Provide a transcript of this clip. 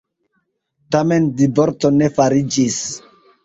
Tamen divorco ne fariĝis.